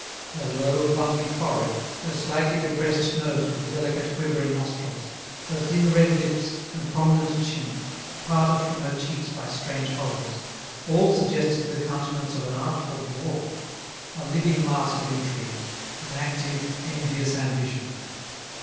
Her low, bumpy forehead, her slightly depressed nose with delicate quivering nostrils, her thin red lips and prominent chin, parted from her cheeks by strange hollows, all suggested the countenance of an artful dwarf, a living mask of intrigue, an active, envious ambition.